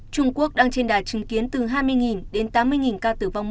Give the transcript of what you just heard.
có nơi đặc biệt gây gắt